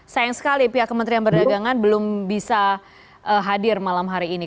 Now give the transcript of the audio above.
sayang sekali pihak kementerian perdagangan belum bisa hadir malam hari ini